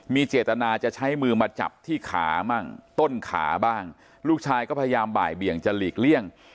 มีเจตนาจะใช้มือมาจับที่ขาบ้างต้นขาบ้างลูกชายก็พยายามบ่ายเบี่ยงจะหลีกเลี่ยง